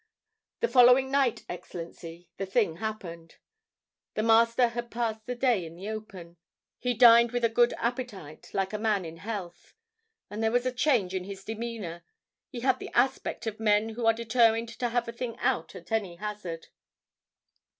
"The following night, Excellency, the thing happened. The Master had passed the day in the open. He dined with a good appetite, like a man in health. And there was a change in his demeanor. He had the aspect of men who are determined to have a thing out at any hazard.